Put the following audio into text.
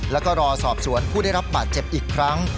แล้วก็รอสอบสวนผู้ได้รับบาดเจ็บอีกครั้ง